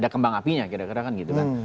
ada kembang apinya kira kira kan gitu kan